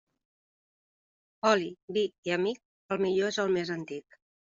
Oli, vi i amic, el millor és el més antic.